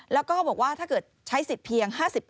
แล้วก็บอกว่าถ้าเกิดใช้สิทธิ์เพียง๕๐